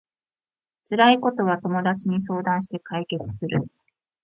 辛いことは友達に相談して解決する